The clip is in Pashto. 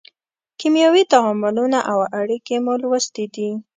کیمیاوي تعاملونه او اړیکې مو لوستې دي.